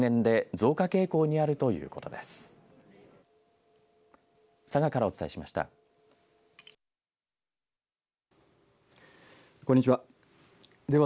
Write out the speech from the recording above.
こんにちは。